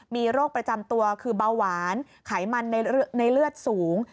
มีโรคประจำตัวคือเบาหวานไขมันในเลือดสูง